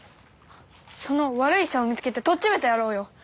その悪い医者を見つけてとっちめてやろうよ！